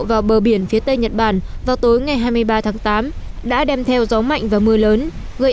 vào bờ biển phía tây nhật bản vào tối ngày hai mươi ba tháng tám đã đem theo gió mạnh và mưa lớn gây